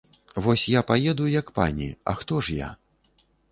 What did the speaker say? Вось я паеду, як пані, а хто ж я?